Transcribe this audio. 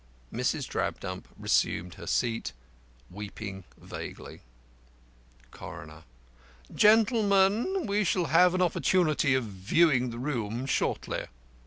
Mrs. Drabdump resumed her seat, weeping vaguely. The CORONER: Gentlemen, we shall have an opportunity of viewing the room shortly.